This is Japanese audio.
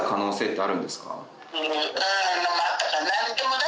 ああ。